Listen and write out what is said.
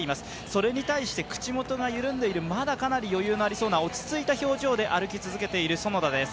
それに対して口元が緩んでいる、まだかなり余裕がありそうな落ち着いた表情で歩き続けています。